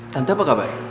tante apa kabar